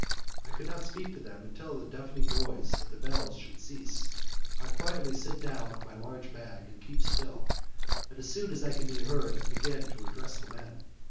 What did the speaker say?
I could not speak to them until the deafening noise of the bells should cease. I quietly sit down on my large bag, and keep still, but as soon as I can be heard I begin to address the men.